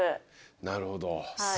なるほど。